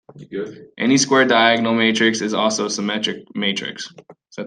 Any square diagonal matrix is also a symmetric matrix.